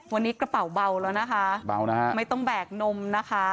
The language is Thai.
วันนี้กระเป๋าเบาแล้วนะคะเบานะฮะไม่ต้องแบกนมนะคะ